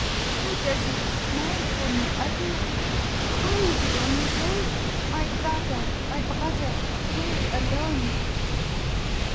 Why does it 'smile' for no others? Why is it only they my father, my brother they alone?"